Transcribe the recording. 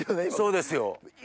そうですよ。